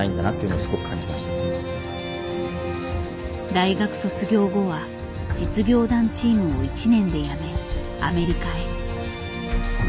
大学卒業後は実業団チームを１年で辞めアメリカへ。